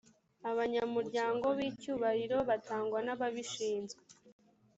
abanyamuryango b’ icyubahiroo batangwa nababishinzwe.